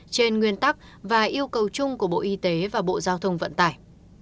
trên nguyên tắc và yêu cầu chung của bộ y tế và bộ giao thông vận tải